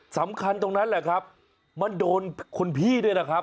สำคัญตรงนั้นแหละครับมันโดนคนพี่ด้วยนะครับ